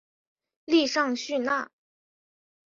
利尚叙纳。